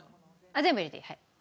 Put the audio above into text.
全部入れていい。